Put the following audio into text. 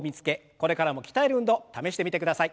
これからも鍛える運動試してみてください。